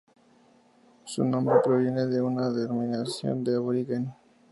Su nombre proviene de una denominación aborigen.